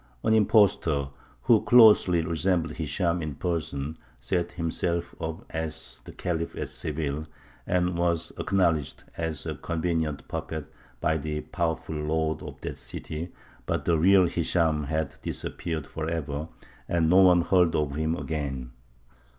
An impostor, who closely resembled Hishām in person, set himself up as the Khalif at Seville, and was acknowledged as a convenient puppet by the powerful lord of that city; but the real Hishām had disappeared for ever, and no one heard of him again.